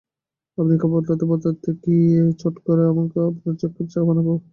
আপনি কাপড় বদলাতে-বদলাতে কি আমি চট করে আপনার জন্যে এক কাপ চা বানাব?